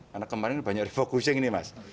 karena kemarin banyak refocusing ini mas